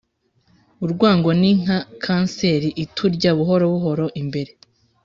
urwango ni nka kanseri iturya buhoro buhoro imbere